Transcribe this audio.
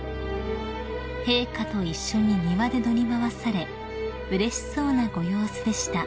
［陛下と一緒に庭で乗り回されうれしそうなご様子でした］